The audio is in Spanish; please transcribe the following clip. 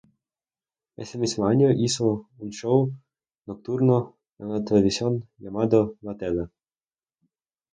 Ese mismo año hizo un show nocturno en la televisión llamado "La Tele".